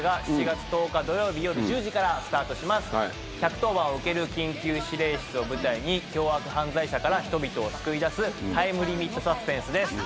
１１０番を受ける緊急指令室を舞台に凶悪犯罪者から人々を救い出すタイムリミットサスペンスです。